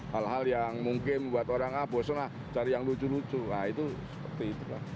hal hal yang mungkin buat orang ah bosen lah cari yang lucu lucu nah itu seperti itu